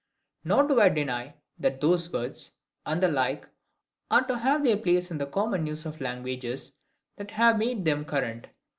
Nor do I deny that those words, and the like, are to have their place in the common use of languages that have made them current.